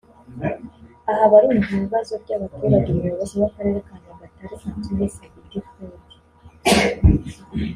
Aha barumva ibibazo by’abaturage Umuyobozi w’Akarere ka Nyagatare Atuhe Sabiti Fred